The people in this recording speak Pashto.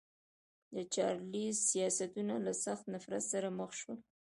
د چارلېز سیاستونه له سخت نفرت سره مخ شول.